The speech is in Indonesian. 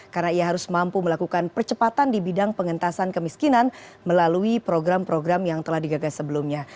karena ia harus mampu melakukan percepatan di bidang pengentasan kemiskinan melalui program program yang telah digagas sebelumnya